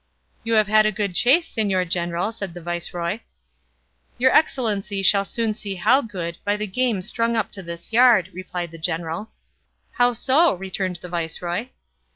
"You have had a good chase, señor general," said the viceroy. "Your excellency shall soon see how good, by the game strung up to this yard," replied the general. "How so?" returned the viceroy.